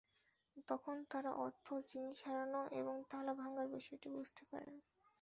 তখন তারা অর্থ, জিনিস হারানো এবং তালা ভাঙার বিষয়টি বুঝতে পারেন।